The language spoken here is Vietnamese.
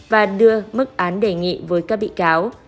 và đưa mức án đề nghị với các bị cáo